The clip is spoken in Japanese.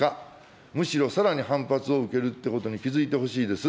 むしろ、さらに反発を受けるということに気付いてほしいです。